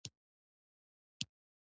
زه له تاسو سره کینه لرم.